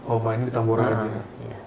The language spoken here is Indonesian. oh main di tamboraja